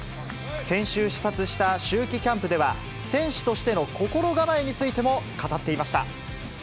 先週視察した秋季キャンプでは、選手としての心構えについても語っていました。